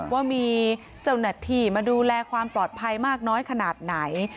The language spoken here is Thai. ว่ามีเจ้าหน้าที่มาดูแลความปลอดภัยมากน้อยขนาดไหน